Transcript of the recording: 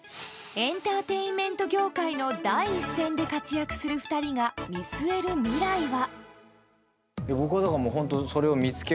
エンターテインメント業界の第一線で活躍する２人が見据える未来は。